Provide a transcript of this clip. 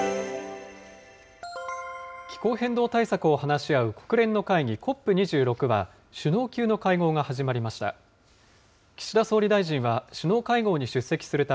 気候変動対策を話し合う国連の会議、ＣＯＰ２６は、首脳級の会合が始まりました。